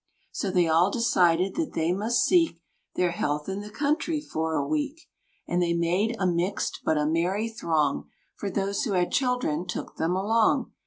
So they all decided that they must seek Their health in the country for a week. And they made a mixed but a merry throng, For those who had children took them along.